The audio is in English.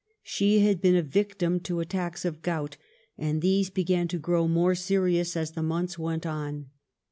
She had been a victim to attacks of gout, and these began to grow more serious as the months went on.